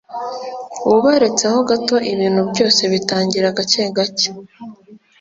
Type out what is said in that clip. Bubaretse ho gato ibintu byose bitangira gake gake